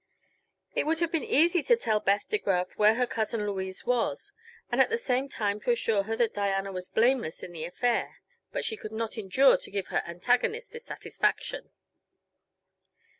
It would have been easy to tell Beth De Graf where her cousin Louise was, and at the same time to assure her that Diana was blameless in the affair; but she could not endure to give her antagonist this satisfaction.